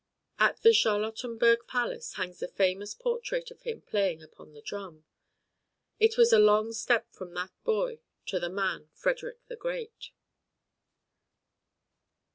At the Charlottenburg Palace hangs the famous portrait of him playing upon the drum. It was a long step from that boy to the man Frederick the Great.